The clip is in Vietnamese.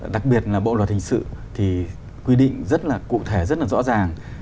đặc biệt là bộ luật hình sự thì quy định rất là cụ thể rất là rõ ràng